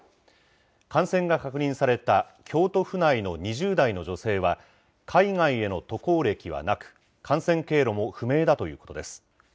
感染が確認された京都府内の２０代の女性は、海外への渡航歴はなく、感染経路も不明だということです。